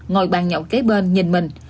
ngồi bàn nhậu kế bên nhìn mình